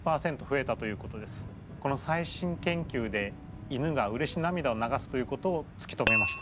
この最新研究で犬がうれし涙を流すということをつき止めました。